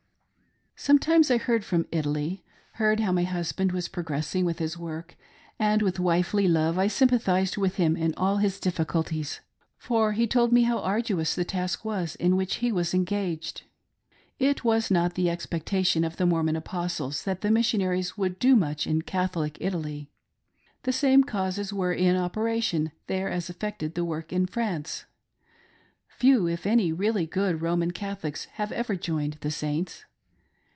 Sometimes I heard from Italy, heard how my husband was progressing with his work, and with wifely love I sympathised with him in all his difficulties, for he told me how arduous the task was in which he was engaged. It was not the expectation of the Mormon Apostles that the missionaries would do much in Catholic Italy. The same causes were in operation there as affected the work in France. Few, if any, really good Roman Catholics have ever joined the Saints.